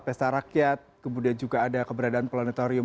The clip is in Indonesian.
pesta rakyat kemudian juga ada keberadaan planetarium